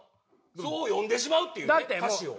そう読んでしまうっていうね歌詞を。